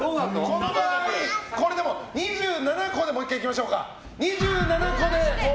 この場合、２７個でもう１回いきましょうか。